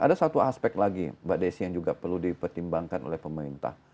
ada satu aspek lagi mbak desi yang juga perlu dipertimbangkan oleh pemerintah